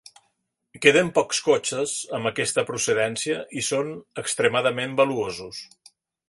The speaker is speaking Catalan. Queden pocs cotxes amb aquesta procedència i són extremadament valuosos.